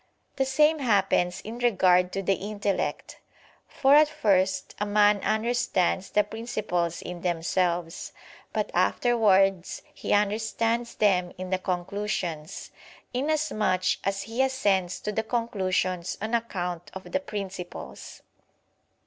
The same happens in regard to the intellect: for at first a man understands the principles in themselves; but afterwards he understands them in the conclusions, inasmuch as he assents to the conclusions on account of the principles.